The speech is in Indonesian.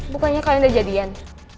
bukannya kalian udah jadian